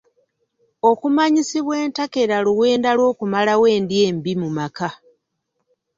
Okumanyisibwa entakera luwenda lw'okumalawo endya embi mu maka.